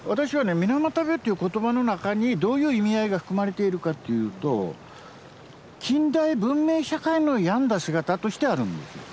水俣病っていう言葉の中にどういう意味合いが含まれているかっていうと近代文明社会の病んだ姿としてあるんです。